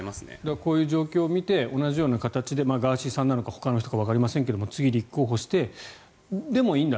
こういう状況を見て同じような形でガーシーさんなのかほかの方かわかりませんが次、立候補してでも、いいんだ